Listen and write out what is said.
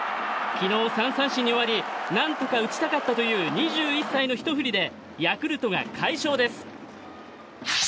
昨日、３三振に終わり何とか打ちたかったという２１歳のひと振りでヤクルトが快勝です。